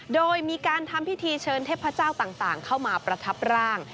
โดยมีการทำพิธีเชิญเทพเจ้าต่างเข้ามาประทับร่าง